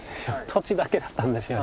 土地だけだったんですよ